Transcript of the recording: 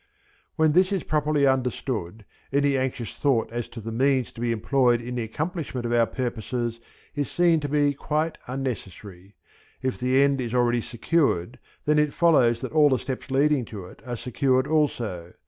When this is properly understood, any anxious thought as to the means to be employed in the accomplishment of our purposes is seen to be quite unnecessary. If the end is already secured, then it follows that all the steps leading to it are secured also.